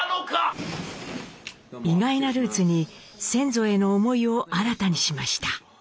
意外なルーツに先祖への思いを新たにしました。